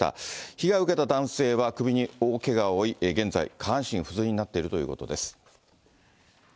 被害を受けた男性は、首に大けがを負い、現在、下半身不随になっているということです。